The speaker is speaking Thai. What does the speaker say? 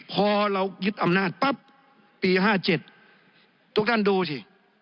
พอเรายึดอำนาจปั๊บปี๕๗ทุกท่านดูสิ